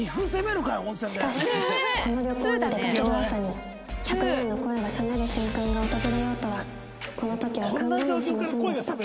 しかしこの旅行に出かける朝に１００年の恋が冷める瞬間が訪れようとはこの時は考えもしませんでした